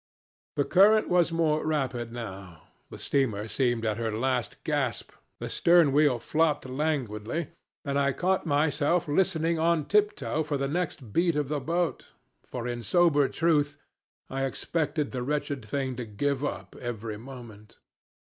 "The current was more rapid now, the steamer seemed at her last gasp, the stern wheel flopped languidly, and I caught myself listening on tiptoe for the next beat of the boat, for in sober truth I expected the wretched thing to give up every moment.